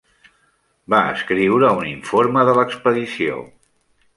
Va escriure un informe de l'expedició.